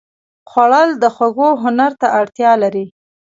خوړل د خوړو هنر ته اړتیا لري